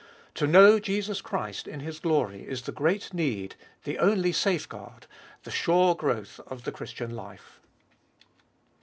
To know Jesus Christ in His glory is the great need, the only safeguard, the sure growth of the Christian life.